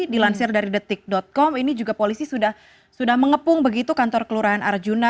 dilansir dari detik com ini juga polisi sudah mengepung begitu kantor kelurahan arjuna